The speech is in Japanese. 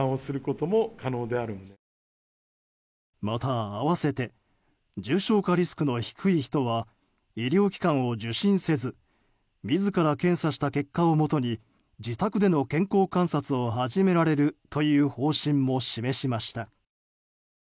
また合わせて重症化リスクの低い人は医療機関を受診せず自ら検査した結果をもとに自宅での健康観察を始められるという方針も示しました。